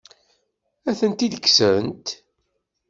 Ad tent-id-kksent?